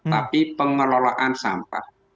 tapi pengelolaan sampah